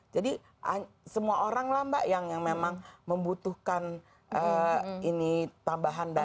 jadi semua orang lah mbak yang memang membutuhkan ini tambahan dana